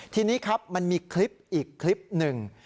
ทีนี้ครับมันมีคลิปอีกคลิปหนึ่ง